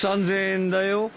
３，０００円だよ。